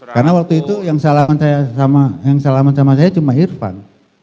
karena waktu itu yang salaman sama saya cuma irfan